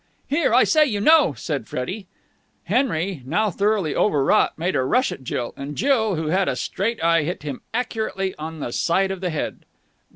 "Here, I say, you know!" said Freddie. Henry, now thoroughly overwrought, made a rush at Jill; and Jill, who had a straight eye, hit him accurately on the side of the head.